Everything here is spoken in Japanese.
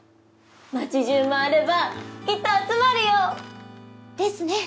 町じゅう回ればきっと集まるよ！ですね。